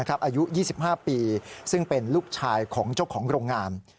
อายุ๒๕ปีซึ่งเป็นลูกชายของเจ้าของโรงงาน